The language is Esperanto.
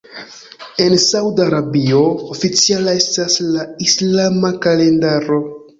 En Sauda Arabio oficiala estas la islama kalendaro.